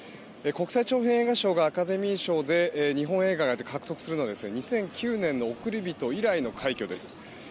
国際長編映画賞がアカデミー賞で日本映画が獲得するのは２００９年の「おくりびと」以来の快挙です。